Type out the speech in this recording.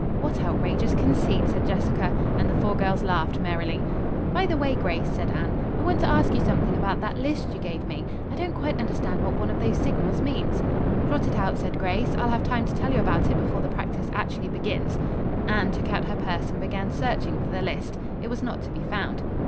"What outrageous conceit," said Jessica, and the four girls laughed merrily. "By the way, Grace," said Anne, "I want to ask you something about that list you gave me. I don't quite understand what one of those signals means." "Trot it out," said Grace. "I'll have time to tell you about it before the practice actually begins." Anne took out her purse and began searching for the list. It was not to be found.